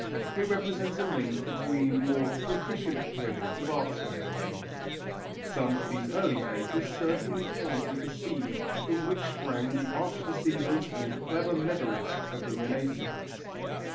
It represents a link between more proficient periods of art swindling. Some of these early fakers certainly planted the seed from which sprang the arch deceivers and clever medallists of the Renaissance.